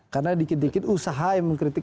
karena dikit dikit usaha yang mengkritik